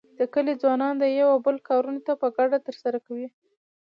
د کلي ځوانان د یو او بل کارونه په ګډه تر سره کوي.